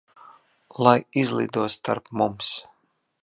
Lai izlido starp mums.